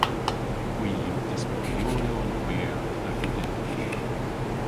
Hwi yw dismygyoryon gwir a gudynnow.